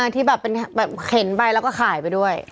ที่แบบเข็นไปแล้วก็ขายไปด้วย